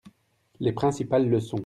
Les principales leçons.